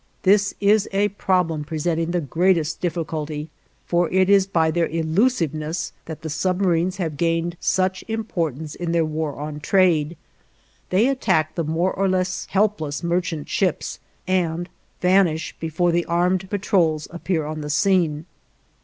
This is a problem presenting the greatest difficulty, for it is by their elusiveness that the submarines have gained such importance in their war on trade. They attack the more or less helpless merchant ships, and vanish before the armed patrols appear on the scene.